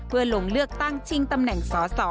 เพื่อลงเลือกตั้งชิงตำแหน่งสอสอ